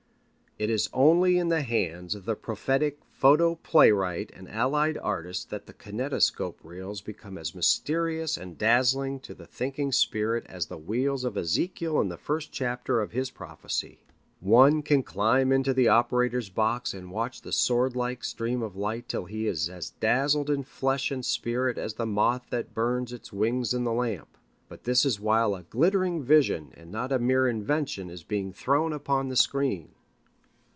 It is only in the hands of the prophetic photo playwright and allied artists that the kinetoscope reels become as mysterious and dazzling to the thinking spirit as the wheels of Ezekiel in the first chapter of his prophecy. One can climb into the operator's box and watch the sword like stream of light till he is as dazzled in flesh and spirit as the moth that burns its wings in the lamp. But this is while a glittering vision and not a mere invention is being thrown upon the screen.